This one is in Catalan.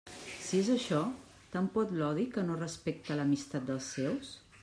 Si és això, tant pot l'odi que no respecta l'amistat dels seus?